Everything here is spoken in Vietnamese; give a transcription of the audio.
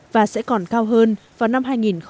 và sẽ còn cao hơn vào năm hai nghìn một mươi bảy